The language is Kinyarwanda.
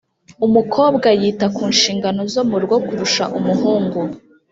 umukobwa yita ku nshingano zo mu rugo kurusha umuhungu.